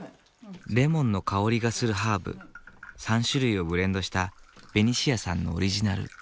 レモンの香りがするハーブ３種類をブレンドしたベニシアさんのオリジナル。